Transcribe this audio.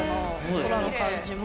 空の感じも。